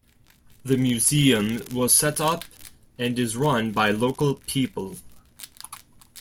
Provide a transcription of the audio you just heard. The museum was set up, and is run by local people.